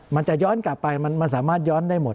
มันจะย้อนกลับไปมันสามารถย้อนได้หมด